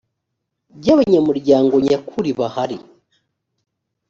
by abanyamuryango nyakuri bahari